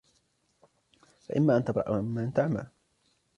فَإِمَّا أَنْ تَبْرَأَ وَإِمَّا أَنْ تَعْمَى